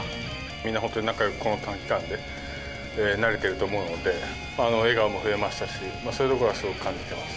みんな本当に仲よく、この短期間でなれていると思うので、笑顔も増えましたし、そういうところはすごい感じてます。